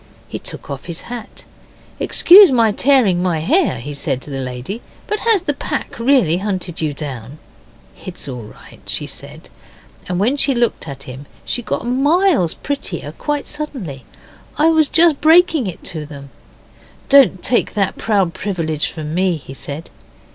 He took off his hat. 'Excuse my tearing my hair,' he said to the lady, 'but has the pack really hunted you down?' 'It's all right,' she said, and when she looked at him she got miles prettier quite suddenly. 'I was just breaking to them...' 'Don't take that proud privilege from me,' he said.